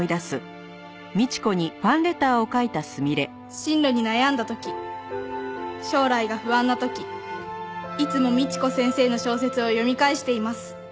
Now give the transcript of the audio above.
「進路に悩んだ時将来が不安な時いつも美智子先生の小説を読み返しています」